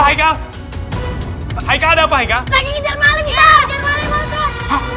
iya ngejar maling pak